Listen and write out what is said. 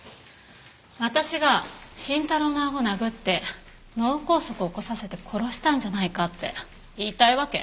私が伸太郎の顎殴って脳梗塞を起こさせて殺したんじゃないかって言いたいわけ？